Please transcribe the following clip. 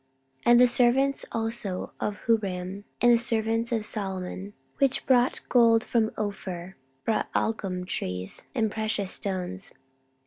14:009:010 And the servants also of Huram, and the servants of Solomon, which brought gold from Ophir, brought algum trees and precious stones.